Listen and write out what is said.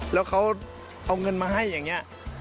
แล้วเขาเอาเงินมาให้อย่างนี้